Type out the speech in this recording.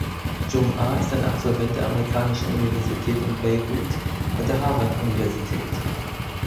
Dschumʿa ist ein Absolvent der Amerikanischen Universität in Beirut und der Harvard Universität.